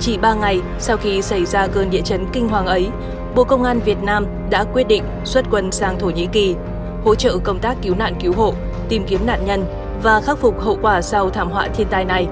chỉ ba ngày sau khi xảy ra cơn địa chấn kinh hoàng ấy bộ công an việt nam đã quyết định xuất quân sang thổ nhĩ kỳ hỗ trợ công tác cứu nạn cứu hộ tìm kiếm nạn nhân và khắc phục hậu quả sau thảm họa thiên tai này